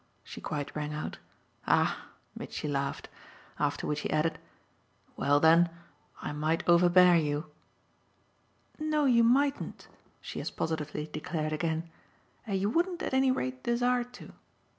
she quite rang out. "Ah !" Mitchy laughed. After which he added: "Well then, I might overbear you." "No, you mightn't," she as positively declared again, "and you wouldn't at any rate desire to."